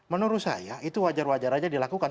menurut saya itu wajar wajar saja dilakukan